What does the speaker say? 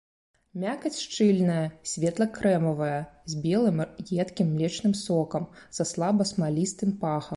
Мякаць шчыльная, светла-крэмавая, з белым едкім млечным сокам, са слаба смалістым пахам.